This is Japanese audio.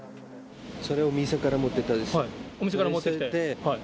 これを店から持っていったです。